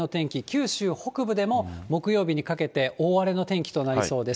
九州北部でも木曜日にかけて大荒れの天気となりそうです。